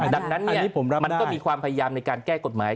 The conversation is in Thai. ดังนั้นมันก็มีความพยายามในการแก้กฎหมาย